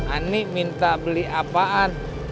ani minta beli apaan